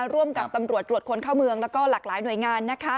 ร่วมกับตำรวจตรวจคนเข้าเมืองแล้วก็หลากหลายหน่วยงาน